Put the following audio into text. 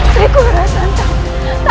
sekurang rara santa